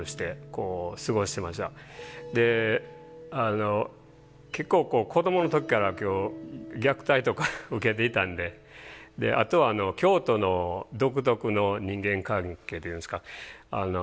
であの結構子どもの時から虐待とか受けていたんであとはあの京都の独特の人間関係っていうんですか。